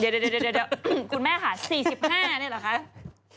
เดี๋ยวคุณแม่ค่ะ๔๕นี่เหรอคะ